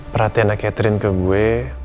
perhatiannya catherine ke gue